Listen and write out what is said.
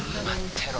てろ